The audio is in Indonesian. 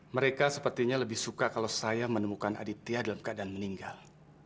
mereka sepertinya lebih suka kalau saya menemukan aditya dalam keadaan meninggal